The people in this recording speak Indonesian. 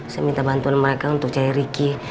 saya minta bantuan mereka untuk cari ricky